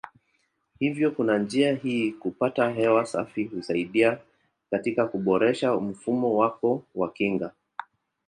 Hivyo kwa njia hii kupata hewa safi husaidia katika kuboresha mfumo wako wa kinga.